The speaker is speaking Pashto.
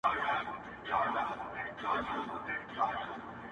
• هغه ورځ په واک کي زما زړه نه وي ـ